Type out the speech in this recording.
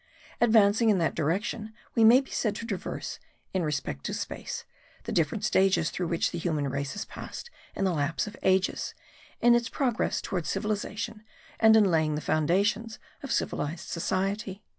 Advancing in that direction we may be said to traverse, in respect to space, the different stages through which the human race has passed in the lapse of ages, in its progress towards cultivation and in laying the foundations of civilized society.